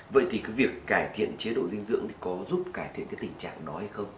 vậy thì việc cải thiện chế độ dinh dưỡng có giúp cải thiện tình trạng đó hay không